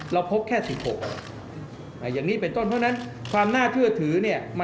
เราตรวจจริงเหลือ๑๖นะอย่างนี้เหลือ๑๖นะครับรายชื่อผมไม่เปิดเผยนะฮะ